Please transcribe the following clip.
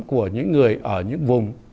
của những người ở những vùng